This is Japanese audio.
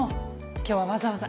今日はわざわざ。